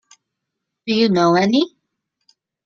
Do you know any?